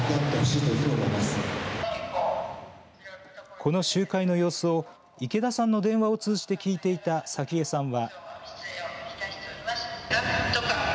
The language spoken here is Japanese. この集会の様子を池田さんの電話を通じて聞いていた早紀江さんは。